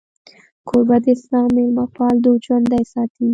کوربه د اسلام میلمهپال دود ژوندی ساتي.